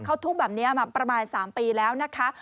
เขาทุกข์แบบนี้มาประมาณ๓ปีแล้วนะคะ